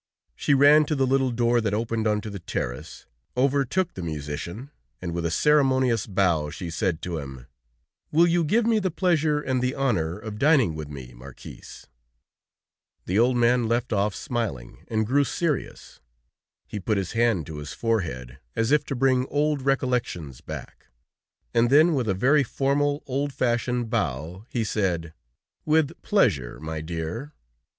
She ran to the little door that opened onto the terrace, overtook the musician, and with a ceremonious bow she said to him: "Will you give me the pleasure and the honor of dining with me, Marquis?" The old man left off smiling and grew serious; he put his hand to his forehead, as if to bring old recollections back, and then with a very formal, old fashioned bow, he said: "With pleasure, my dear."